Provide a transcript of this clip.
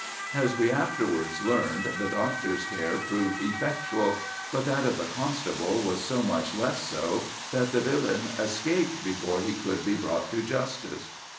"As we afterwards learned, the doctor's care proved effectual; but that of the constable was so much less so, that the villain escaped before he could be brought to justice."